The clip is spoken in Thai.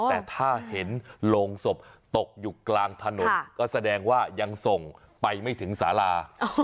แต่ถ้าเห็นโรงศพตกอยู่กลางถนนก็แสดงว่ายังส่งไปไม่ถึงสารา